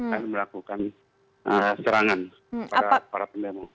dan melakukan serangan pada pendemo